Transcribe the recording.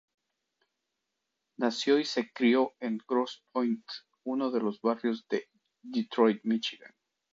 Nació y se crió en Grosse Pointe, uno de los barrios de Detroit, Míchigan.